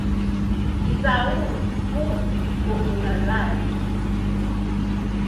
izaw ku puenelay